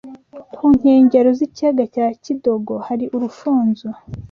Ku inkengero z’ ikiyaga cya kidogo hari urufunzo